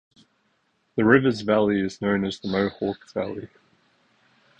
The river's valley is known as the Mohawk Valley.